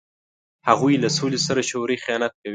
هغوی له سولې سره شعوري خیانت کوي.